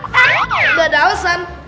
gak ada alasan